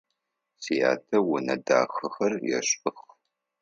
Сятэ унэ дахэхэр ешӏых.